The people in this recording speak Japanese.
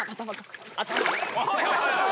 おい！